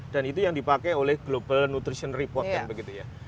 dan itu yang dipakai oleh global nutrition report